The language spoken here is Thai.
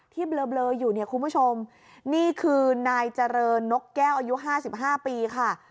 เบลออยู่เนี่ยคุณผู้ชมนี่คือนายเจริญนกแก้วอายุ๕๕ปีค่ะ